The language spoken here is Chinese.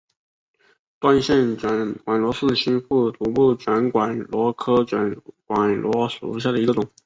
断线卷管螺是新腹足目卷管螺科卷管螺属的一个种。